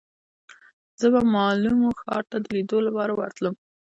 زه به مالمو ښار ته د لیدو لپاره ورتلم.